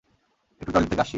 একটু টয়লেট থেকে আসছি।